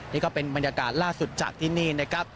นี่ก็เป็นบรรยากาศล่าสุดจากที่นี่นะครับ